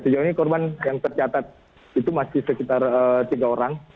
sejauh ini korban yang tercatat itu masih sekitar tiga orang